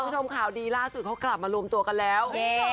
คุณผู้ชมข่าวดีล่าสุดเขากลับมารวมตัวกันแล้ว